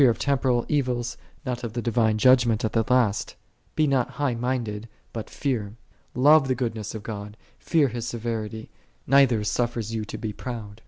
of temporal evils, not of the Divine Judgment. 1 at the last. "Be not thou high minded, but fear." "' Love thou the goodness of God; fear | thou His severity: neither suffers thee to be i proud.